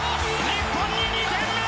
日本に２点目！